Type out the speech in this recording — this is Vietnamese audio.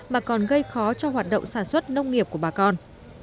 mà còn gây khó cho hoạt động sản xuất nông nghiệp của bà con